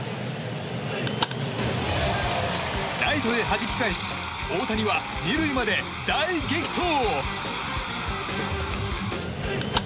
ライトへはじき返し大谷は２塁まで大激走。